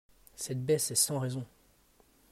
Cette baisse est sans raison!